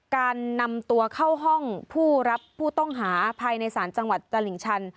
การนำตัวเข้าห้องผู้รับผู้ต้องหาภายในศาลจังหวัดตลิ่งชัน